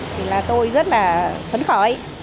thì là tôi rất là khấn khỏi